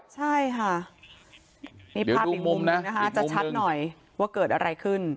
ใช่ค่ะนี่ภาพอีกมุมหนึ่งนะคะจะชัดหน่อยว่าเกิดอะไรขึ้น